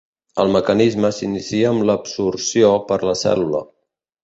El mecanisme s'inicia amb l'absorció per la cèl·lula.